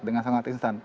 dengan sangat cepat